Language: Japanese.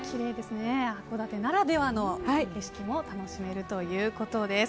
函館ならではの景色も楽しめるということです。